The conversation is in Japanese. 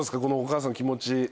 このお母さんの気持ち。